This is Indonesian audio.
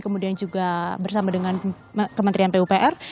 kemudian juga bersama dengan kementerian pupr